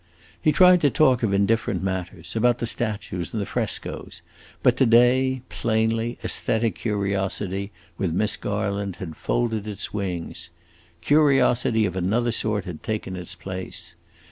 He tried to talk of indifferent matters about the statues and the frescoes; but to day, plainly, aesthetic curiosity, with Miss Garland, had folded its wings. Curiosity of another sort had taken its place.